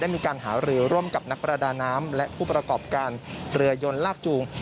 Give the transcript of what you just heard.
มีการหารือร่วมกับนักประดาน้ำและผู้ประกอบการเรือยนลากจูง